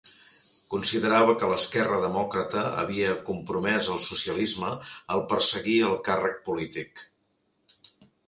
Considerava que l'esquerra demòcrata havia compromès el socialisme al perseguir el càrrec polític.